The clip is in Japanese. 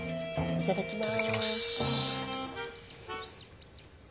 いただきます。